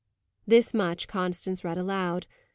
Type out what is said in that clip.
This much Constance read aloud.